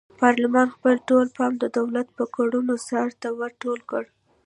پارلمان خپل ټول پام د دولت پر کړنو څار ته ور ټول کړ.